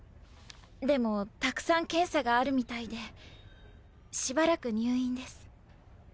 でもたくさん検査があるみたいでしばらく入院です。